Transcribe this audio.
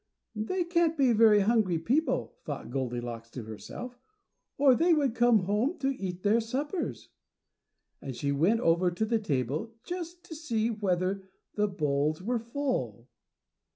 "They can't be very hungry people," thought Goldilocks to herself, "or they would come home to eat their suppers." And she went over to the table just to see whether the bowls were full.